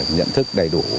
nhận thức đầy đủ